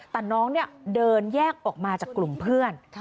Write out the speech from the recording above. แต่น้องเนี่ยเดินแยกออกมาจากกลุ่มเพื่อน